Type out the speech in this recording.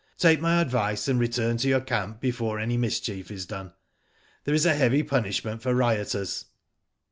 Take my advice and return to your camp before any mischief is done. There is a heavy punishment for rioters."